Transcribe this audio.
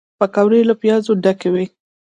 پکورې له پیازو ډکې وي